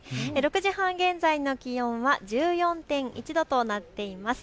６時半現在の気温は１４．１度となっています。